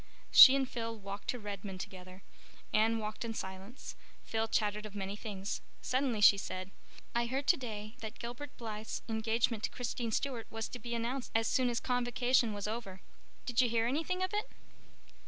She and Phil walked to Redmond together. Anne walked in silence; Phil chattered of many things. Suddenly she said, "I heard today that Gilbert Blythe's engagement to Christine Stuart was to be announced as soon as Convocation was over. Did you hear anything of it?"